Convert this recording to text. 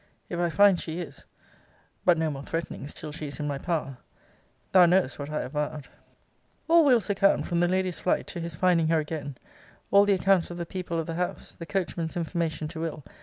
If I find she is but no more threatenings till she is in my power thou knowest what I have vowed. All Will.'s account, from the lady's flight to his finding her again, all the accounts of the people of the house, the coachman's information to Will.